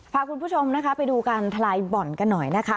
พาคุณผู้ชมนะคะไปดูการทลายบ่อนกันหน่อยนะคะ